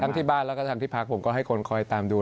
ทั้งที่บ้านและทั้งที่พักผมก็ให้คนคอยตามดู